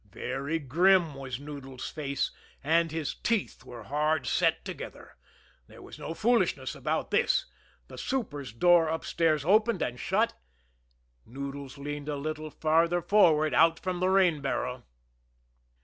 Very grim was Noodles' face, and his teeth were hard set together there was no foolishness about this. The super's door upstairs opened and shut Noodles leaned a little farther forward out from the rain barrel.